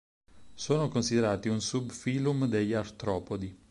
Sono considerati un sub-phylum degli Artropodi.